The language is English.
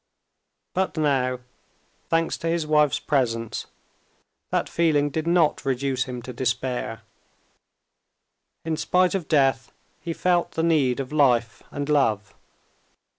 But now, thanks to his wife's presence, that feeling did not reduce him to despair. In spite of death, he felt the need of life and love.